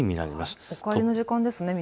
皆さん、お帰りの時間ですね。